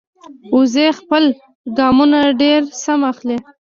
وزې خپل ګامونه ډېر سم اخلي